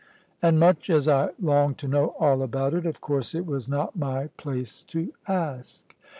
And much as I longed to know all about it, of course it was not my place to ask.